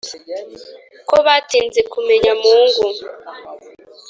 ko batinze kumenya mungu.